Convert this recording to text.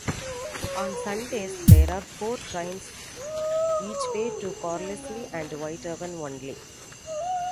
On Sundays there are four trains each way to Carlisle and Whitehaven only.